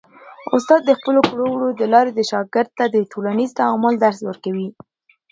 استاد د خپلو کړو وړو د لارې شاګرد ته د ټولنیز تعامل درس ورکوي.